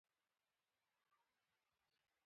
مننه زړګیه